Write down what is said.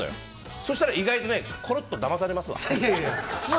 そしたら意外とコロッとだまされますわ。